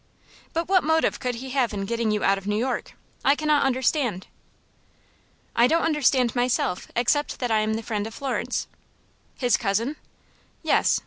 "But what motive could he have in getting you out of New York? I cannot understand." "I don't understand myself, except that I am the friend of Florence." "His cousin?" "Yes."